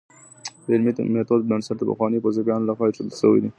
د علمي ميتود بنسټ د پخوانیو فيلسوفانو لخوا ايښودل سوی دی.